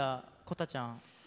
こたちゃん。